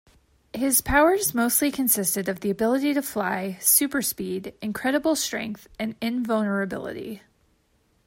His powers mostly consisted of the ability to fly, superspeed, incredible strength, and invulnerability.